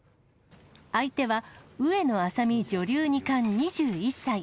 相手は、上野愛咲美女流二冠２１歳。